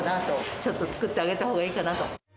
ちょっと作ってあげたほうがいいかなと。